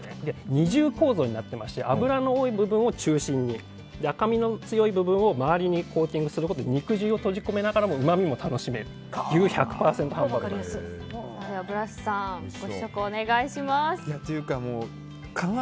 二重構造になってまして脂の多い部分を中心に赤身の多い部分を周りにコーティングすることで肉汁を閉じ込めながらもうまみも楽しめるというブラスさんご試食お願いします。